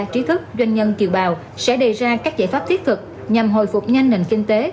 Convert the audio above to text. trí thức doanh nhân kiều bào sẽ đề ra các giải pháp thiết thực nhằm hồi phục nhanh nền kinh tế